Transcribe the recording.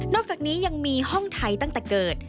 อกจากนี้ยังมีห้องไทยตั้งแต่เกิด